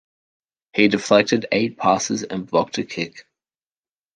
He deflected eight passes and blocked a kick.